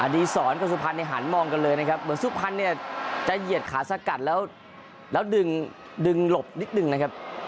ดีศรกับสุพรรณหันมองกันเลยนะครับเหมือนสุพรรณเนี่ยจะเหยียดขาสกัดแล้วดึงหลบนิดนึงนะครับ